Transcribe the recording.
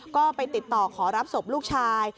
ก็ไปติดต่อขอรับศพลูกชาย